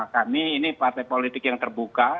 kami ini partai politik yang terbuka